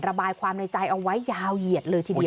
ระบายความในใจเอาไว้ยาวเหยียดเลยทีเดียว